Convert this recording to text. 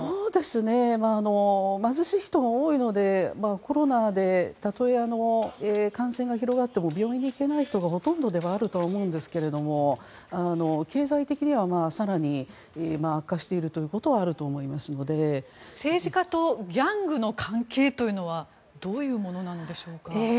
貧しい人が多いのでコロナでたとえ感染が広がっても病院に行けない人がほとんどだと思いますが経済的には更に悪化しているということは政治家とギャングの関係というのはどういうものなのでしょうか？